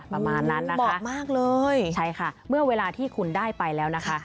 ประมาณนั้นนะคะเหมาะมากเลยใช่ค่ะเมื่อเวลาที่คุณได้ไปแล้วนะคะ